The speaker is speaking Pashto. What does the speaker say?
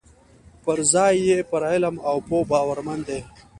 پر ځای یې پر علم او پوه باورمن دي.